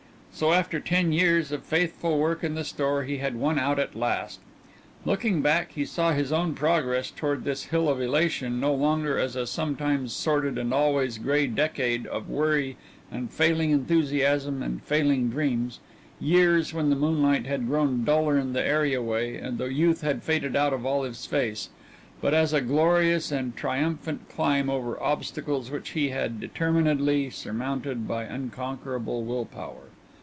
So after ten years of faithful work in the store he had won out at last. Looking back, he saw his own progress toward this hill of elation no longer as a sometimes sordid and always gray decade of worry and failing enthusiasm and failing dreams, years when the moonlight had grown duller in the areaway and the youth had faded out of Olive's face, but as a glorious and triumphant climb over obstacles which he had determinedly surmounted by unconquerable will power.